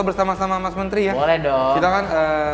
bersama sama mas menteri ya boleh dong